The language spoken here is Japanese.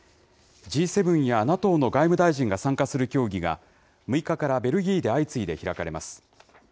Ｇ７やＮＡＴＯの外務大臣が参加する協議が、６日からベルギーで相次いで開かれます。